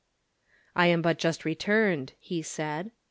" I am but just returned," he said.